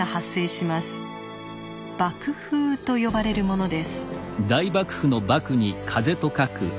「瀑風」と呼ばれるものです。